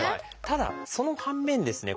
ただその反面ですね